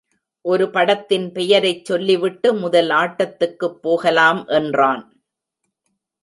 ஒரு படத்தின் பெயரைச் சொல்லிவிட்டு, முதல் ஆட்டத்துக்குப் போகலாம் என்றான்.